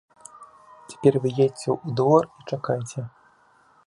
Цяпер вы едзьце ў двор і чакайце.